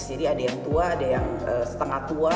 jadi ada yang tua ada yang setengah tua